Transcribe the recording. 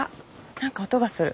何か音がする。